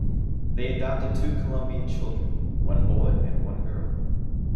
They adopted two Colombian children, one boy and one girl.